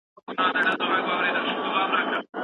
دوی د نجلۍ پر ځای ديت قبول کړ.